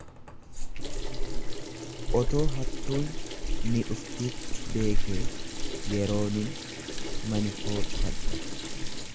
Otoo hattuun ni dhuftiitti beekee yeroonin mani koo cufadha.